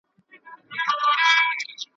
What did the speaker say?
بد مرغۍ وي هغه ورځ وطن وهلی ,